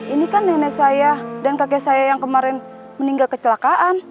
ini kan nenek saya dan kakek saya yang kemarin meninggal kecelakaan